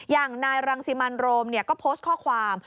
อย่างนายรังศีมัณรมิ์เนี่ยก็โพสต์ข้อความ